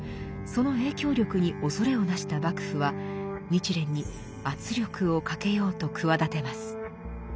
その影響力におそれをなした幕府は日蓮に圧力をかけようと企てます。